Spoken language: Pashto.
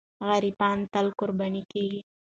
غریبان تل قرباني کېږي.